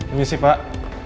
ini si pak